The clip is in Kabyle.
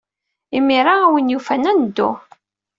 Imir-a, a win yufan ad neddu.